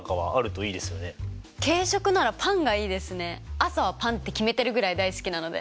朝はパンって決めてるぐらい大好きなので。